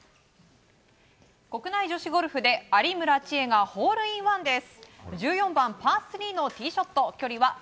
国内女子ゴルフで有村智恵がホールインワンです！